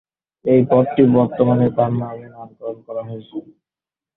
এই পথটি বর্তমানে তাঁর নামে নামকরণ করা হয়েছে।